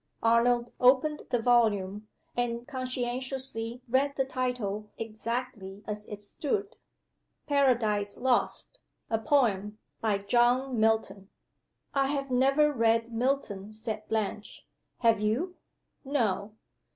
Arnold opened the volume, and conscientiously read the title exactly as it stood: "Paradise Lost. A Poem. By John Milton." "I have never read Milton," said Blanche. "Have you?" "No."